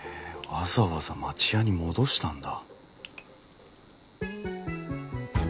わざわざ町家に戻したんだ。